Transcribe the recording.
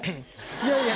いやいや。